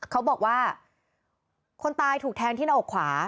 เขาบอกว่าคนตายถูกแทงที่หน้าอกขวา